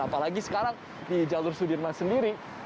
apalagi sekarang di jalur sudirman sendiri